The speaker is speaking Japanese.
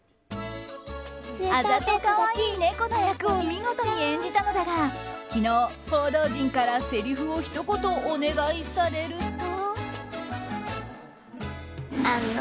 あざと可愛い猫の役を見事に演じたのだが昨日、報道陣からせりふをひと言お願いされると。